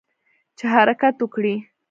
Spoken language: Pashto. چې حرکت وکړي.